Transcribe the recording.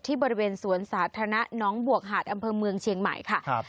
บริเวณสวนสาธารณะน้องบวกหาดอำเภอเมืองเชียงใหม่ค่ะ